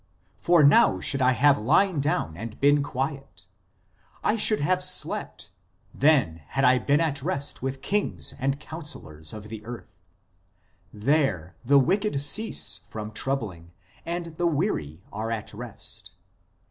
. For now should I have lien down and been quiet ; I should have slept ; then had I been at rest with kings and counsel lors of the earth. ... There the wicked cease from troubling, and the weary are at rest.